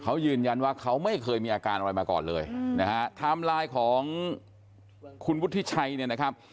เขายืนยันว่าเขาไม่เคยมีอาการอะไรมาก่อนเลยนะฮะไทม์ไลน์ของคุณวุฒิชัยเนี่ยนะครับ